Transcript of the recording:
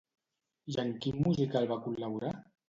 I en quin musical va col·laborar?